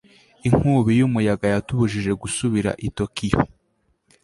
inkubi y'umuyaga yatubujije gusubira i tokiyo